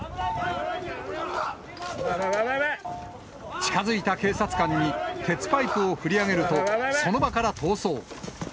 近づいた警察官に、鉄パイプを振り上げると、その場から逃走。